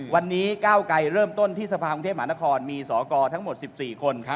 วันนี้ก้าวไกรเริ่มต้นที่สภาพกรุงเทพมหานครมีสอกรทั้งหมด๑๔คน